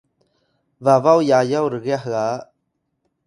babaw yayaw rgyax ga